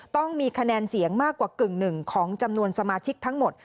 ต้องมีคะแนนเสียงมากกว่ากึ่งหนึ่งของจำนวนสมาชิกทั้งหมด